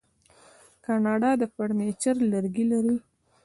کاناډا د فرنیچر لرګي لري.